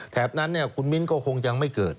นั้นคุณมิ้นก็คงยังไม่เกิด